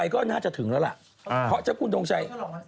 ก็น่าจะถึงแล้วล่ะเพราะเจ้าคุณทงชัย